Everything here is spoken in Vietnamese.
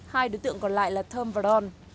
hai đối tượng còn lại là thơm và đòn